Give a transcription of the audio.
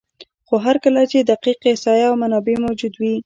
خو هر کله چې دقیق احصایه او منابع موجود وي،